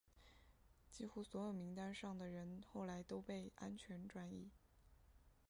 几乎所有名单上的人后来都被安全转移。